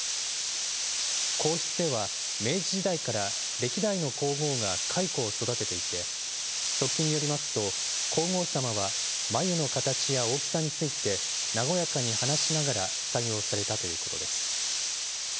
皇室では、明治時代から歴代の皇后が蚕を育てていて、側近によりますと、皇后さまは繭の形や大きさについて、和やかに話しながら作業されたということです。